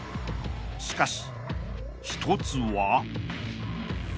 ［しかし１つは］